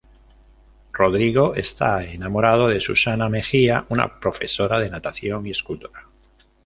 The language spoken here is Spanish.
Rodrigo está enamorado de Susana Mejía, una profesora de natación y escultora.